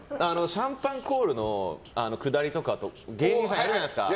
シャンパンコールのくだりとか芸人さんやるじゃないですか。